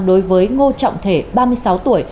đối với ngô trọng thể ba mươi sáu tuổi